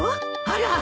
あら！